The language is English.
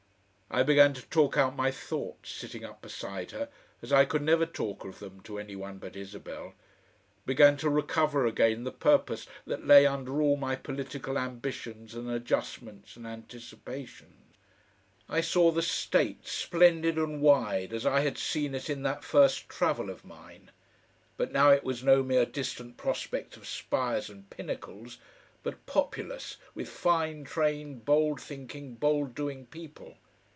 I began to talk out my thoughts, sitting up beside her, as I could never talk of them to any one but Isabel; began to recover again the purpose that lay under all my political ambitions and adjustments and anticipations. I saw the State, splendid and wide as I had seen it in that first travel of mine, but now it was no mere distant prospect of spires and pinnacles, but populous with fine trained, bold thinking, bold doing people.